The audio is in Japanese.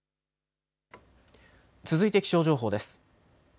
続いて気象情報です。